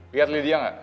lihat lydia gak